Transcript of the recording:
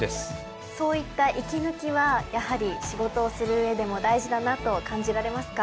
そういった息抜きはやはり仕事をする上でも大事だなと感じられますか？